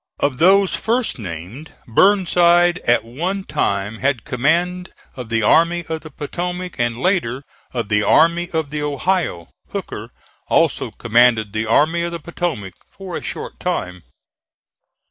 Of those first named, Burnside at one time had command of the Army of the Potomac, and later of the Army of the Ohio. Hooker also commanded the Army of the Potomac for a short time.